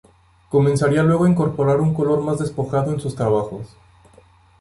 Comenzaría luego a incorporar un color más despojado en sus trabajos.